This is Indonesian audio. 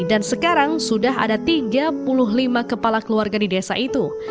dan sekarang sudah ada tiga puluh lima kepala keluarga di desa itu